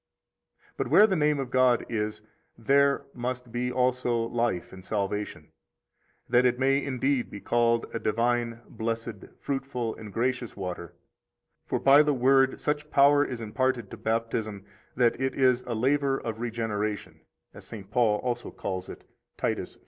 27 But where the name of God is, there must be also life and salvation, that it may indeed be called a divine, blessed, fruitful, and gracious water; for by the Word such power is imparted to Baptism that it is a laver of regeneration, as St. Paul also calls it, Titus 3:5.